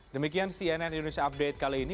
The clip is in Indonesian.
demikian cnn indonesia update kali ini